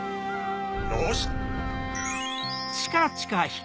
よし！